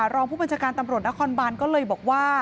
รองผู้บัญชาการตำรวจนครบานก็เลยบอกว่า